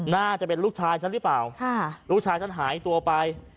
น่าจะเป็นลูกชายฉันหรือเปล่าลูกชายฉันหายตัวไป